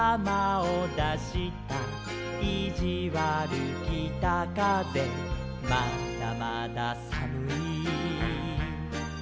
「いじわるきたかぜまだまださむい」